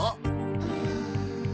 うん。